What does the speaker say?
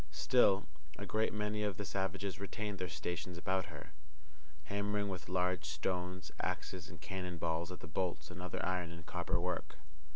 Still a great many of the savages retained their stations about her, hammering with large stones, axes, and cannon balls at the bolts and other iron and copper work.